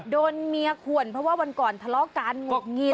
โดนเมียขวนเพราะว่าวันก่อนทะเลาะกันหงุดหงิด